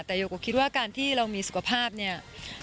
แต่โยโกคิดว่าการที่เรามีสุขภาพเนี่ย